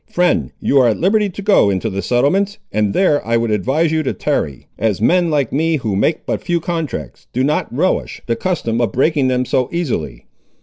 Friend, you are at liberty to go into the settlements, and there I would advise you to tarry, as men like me who make but few contracts, do not relish the custom of breaking them so easily."